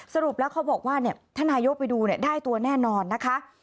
สรุปแล้วเขาบอกว่าถ้านายกไปดูได้ตัวแน่นอนนะคะ